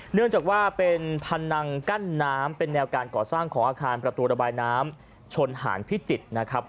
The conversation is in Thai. เนื่องจากว่าเป็นพนังกั้นน้ำเป็นแนวการก่อสร้างของอาคารประตูระบายน้ำชนหารพิจิตรนะครับ